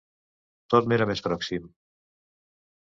Tot m'era més pròxim.